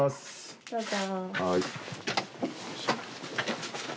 どうぞ。